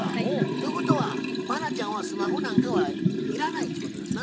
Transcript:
ということは茉奈ちゃんはスマホなんかはいらないっていうことですな？